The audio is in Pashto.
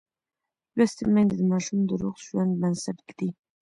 لوستې میندې د ماشوم د روغ ژوند بنسټ ږدي.